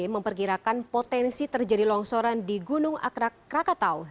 memperkirakan potensi terjadi longsoran di gunung akrak krakatau